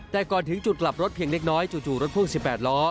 แต่ก่อนถึงจุดกลับรถเพียงเล็กน้อยจู่รถพ่วง๑๘ล้อ